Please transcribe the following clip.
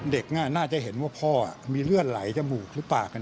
เด็กน่าจะเห็นว่าพ่อมีเลือดไหลจมูกหรือเปล่า